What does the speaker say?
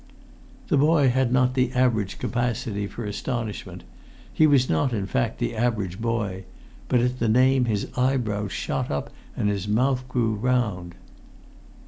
The boy had not the average capacity for astonishment; he was not, in fact, the average boy; but at the name his eyebrows shot up and his mouth grew round.